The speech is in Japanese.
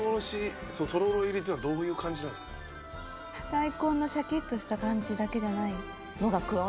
大根のシャキッとした感じだけじゃないのが加わる感じ。